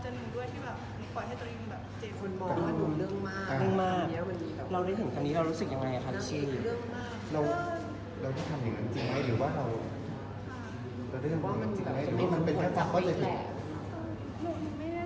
ก็รู้สึกว่าอย่างนี้หรือความอาธิบาย